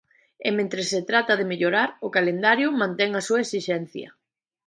E mentres se trata de mellorar, o calendario mantén a súa esixencia.